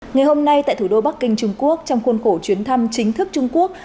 ngày hôm nay tại thủ đô bắc kinh trung quốc trong khuôn khổ chuyến thăm chính thức trung quốc